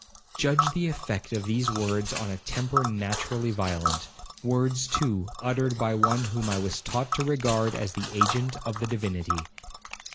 Judge the effect of these words on a temper naturally violent,—words, too, uttered by one whom I was taught to regard as the agent of the Divinity.